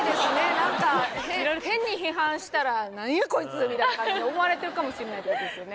何か変に批判したら何やこいつみたいな感じで思われてるかもしれないってことですよね？